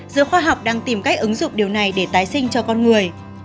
giới khoa học đang tìm cách ứng dụng điều này để tái sinh cho con người